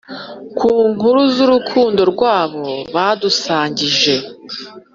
ku nkuru z’urukundo rwabo badusangije,